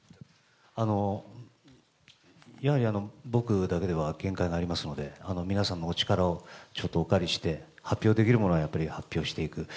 やはり僕だけでは限界がありますので、皆さんのお力をちょっとお借りして、発表できるものはやはり発表していく。